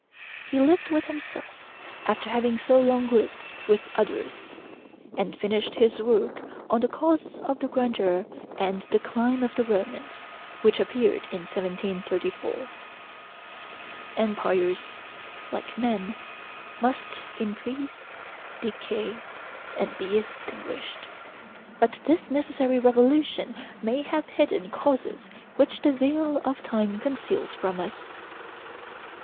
He lived with himself, after having so long lived with others; and finished his work 'On the Cause of the Grandeur and Decline of the Romans,' which appeared in 1734. Empires, like men, must increase, decay, and be extinguished. But this necessary revolution may have hidden causes which the veil of time conceals from us.